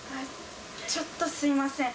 ちょっとすみません。